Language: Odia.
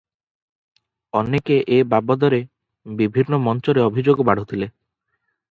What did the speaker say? ଅନେକେ ଏ ବାବଦରେ ବିଭିନ୍ନ ମଞ୍ଚରେ ଅଭିଯୋଗ ବାଢୁଥିଲେ ।